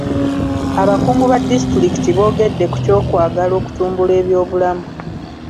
Abakungu ba disitulikiti boogedde ku kyokwagala okutumbula ebyobulamu.